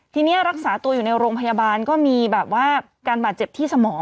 ทีนี้รักษาตัวอยู่ในโรงพยาบาลก็มีแบบว่าการบาดเจ็บที่สมอง